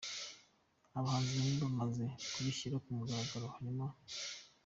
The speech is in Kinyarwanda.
Abahanzi bamwe bamaze kubishyira kumugaragaro harimo :.